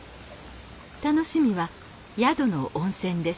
楽しみは宿の温泉です。